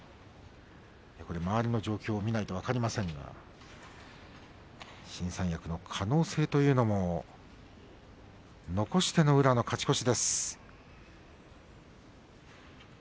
周りの状況を見ないと分かりませんが新三役の可能性というのも残しての宇良の勝ち越しです。